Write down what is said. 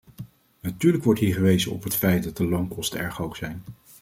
Natuurlijk wordt hier gewezen op het feit dat de loonkosten erg hoog zijn.